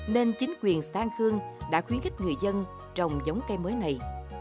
nên chính quyền stan khương đã khuyến khích người dân trồng giống cây mới này